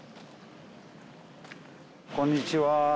こんにちは。